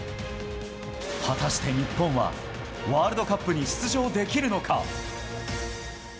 果たして日本はワールドカップに出場できるのか。